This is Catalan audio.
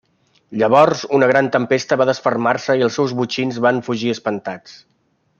Llavors una gran tempesta va desfermar-se i els seus botxins van fugir espantats.